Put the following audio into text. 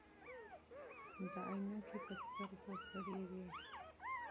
ده عینکې په سترګو کړې وې.